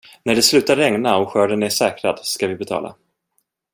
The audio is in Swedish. När det slutar regna och skörden är säkrad ska vi betala.